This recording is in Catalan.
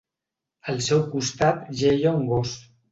Al seu costat jeia un gos.